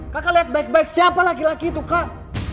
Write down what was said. kakak lihat baik baik siapa laki laki itu kak